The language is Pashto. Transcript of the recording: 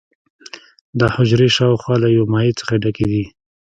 دا حجرې شاوخوا له یو مایع څخه ډکې دي.